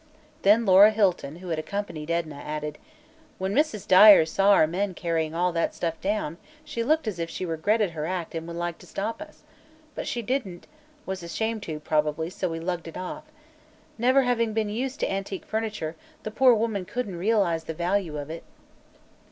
Then Laura Hilton, who had accompanied Edna, added: "When Mrs. Dyer saw our men carrying all that stuff down, she looked as if she regretted her act and would like to stop us. But she didn't was ashamed to, probably so we lugged it off. Never having been used to antique furniture, the poor woman couldn't realize the value of it."